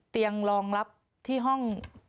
เตียงรองรับที่ห้อง